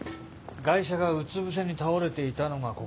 ガイシャがうつ伏せに倒れていたのがここ。